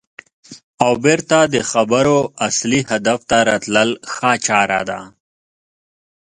او بېرته د خبرو اصلي هدف ته راتلل ښه چاره ده.